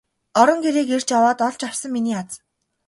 Орон гэрийг эрж яваад олж явсан миний аз.